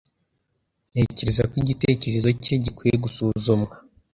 Ntekereza ko igitekerezo cye gikwiye gusuzumwa.